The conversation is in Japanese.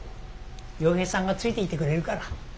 陽平さんがついていてくれるから。